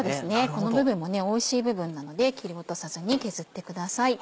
この部分もおいしい部分なので切り落とさずに削ってください。